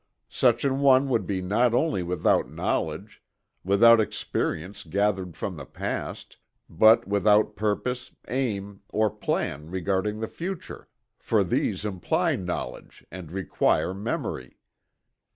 Such an one would not only be without knowledge, without experience gathered from the past, but without purpose, aim, or plan regarding the future, for these imply knowledge and require memory.